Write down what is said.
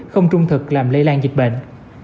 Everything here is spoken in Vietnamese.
không trung thực làm lây lan dịch bệnh